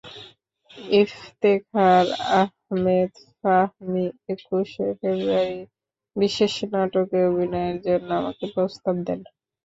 ইফতেখার আহমেদ ফাহমি একুশে ফেব্রুয়ারির বিশেষ নাটকে অভিনয়ের জন্য আমাকে প্রস্তাব দেন।